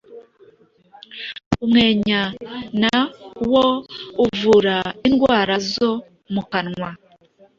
umwenya na wo uvura indwara zo mu kanwa,